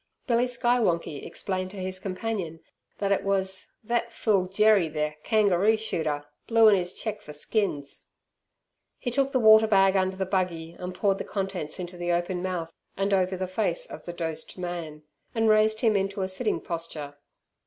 Billy Skywonkie explained to his companion that it was "thet fool, Jerry ther kangaroo shooter, bluein' 'is cheque fer skins". He took the water bag under the buggy, and poured the contents into the open mouth and over the face of the "dosed" man, and raised him into a sitting posture.